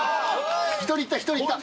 １人いった１人いった。